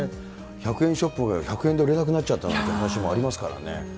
１００円ショップが１００円で売れなくなっちゃったなんて話もありますからね。